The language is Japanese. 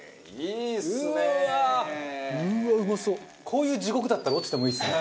こういう地獄だったら落ちてもいいっすね。